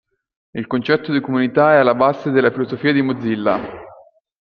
Il concetto di comunità è alla base della filosofia di Mozilla.